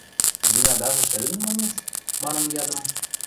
– Зинадажы шӹлӹн маньыц? – манын ядым.